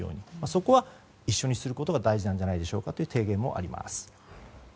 そこは一緒にすることが大事なんじゃないでしょうかという提言もあります。